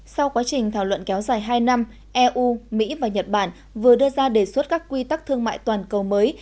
sau quá trình thảo luận kéo dài hai năm eu mỹ và nhật bản vừa đưa ra đề xuất các quy tắc thương mại toàn cầu mới